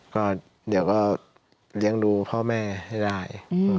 ก็เดี๋ยวก็เลี้ยงดูพ่อแม่ให้ได้